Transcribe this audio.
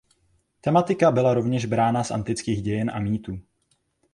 Tematika byla rovněž brána z antických dějin a mýtů.